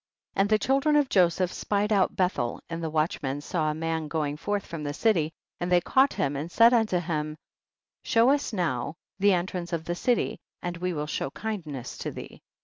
9. And the children of Joseph spied out Bethel, and the watchmen saw a man going forth from the city, and they caught him and said unto him, show us now the entrance of the THE city and we will show kindness to thee.